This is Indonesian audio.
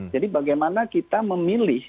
jadi bagaimana kita memilih